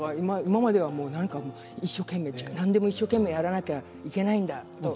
今までは一生懸命何でも一生懸命やらなきゃいけないんだと。